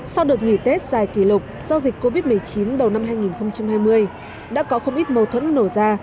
sau đợt nghỉ tết dài kỷ lục do dịch covid một mươi chín đầu năm hai nghìn hai mươi đã có không ít mâu thuẫn nổ ra